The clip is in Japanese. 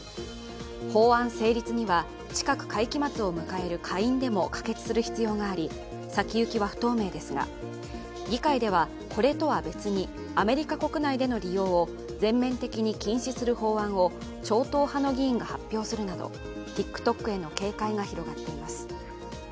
法案成立には近く会期末を迎える下院でも可決する必要があり先行きは不透明ですが、議会ではこれとは別にアメリカ国内での利用を全面的に禁止する法案を超党派の議員が発表するなどＴｉｋＴｏｋへの警戒が広がっています。